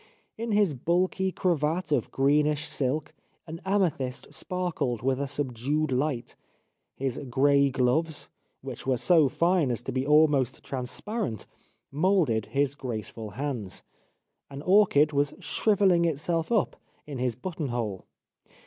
In his bulky cravat of greenish silk an amethyst sparkled with a subdued light ; his grey gloves, which were so fine as to be almost transparent, moulded his graceful hands ; an orchid was shrivelling itself up in his button hole.